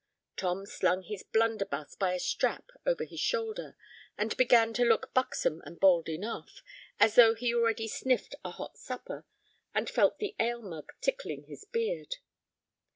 Tom slung his blunderbuss by a strap over his shoulder, and began to look buxom and bold enough—as though he already sniffed a hot supper and felt the ale mug tickling his beard.